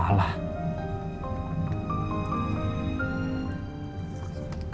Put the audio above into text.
saya ingin meminta maaf pak